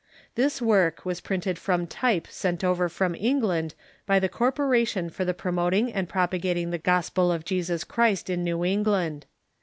This work was printed from type sent over from England by the Corporation for the Promoting and Propagating the Gos pel of Jesus Christ in New England.